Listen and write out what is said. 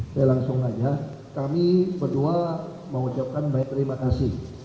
saya langsung aja kami berdua mengucapkan baik terima kasih